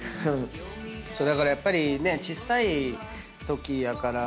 だからやっぱりちっさいときやから。